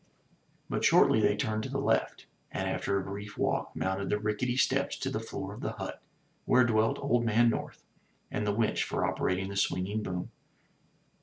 But shortly they turned to the left; and after a brief walk, mounted the rick ety steps to the floor of the hut where dwelt old man North, and the winch for operating the swinging boom.